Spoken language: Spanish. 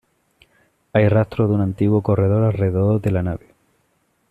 Hay rastros de un antiguo corredor alrededor de la nave.